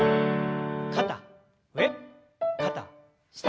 肩上肩下。